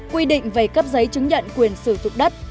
quy định về cấp giấy chứng nhận quyền sử dụng đất